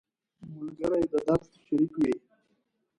ملګری د درد شریک وي